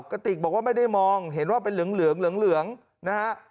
กระติกบอกว่าไม่ได้มองเห็นว่าเป็นเหลืองนะฮะ